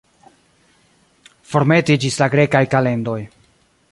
Formeti ĝis la grekaj kalendoj.